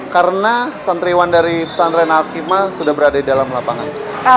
karena santriwan dari santren alkima sudah berada di dalam lapangan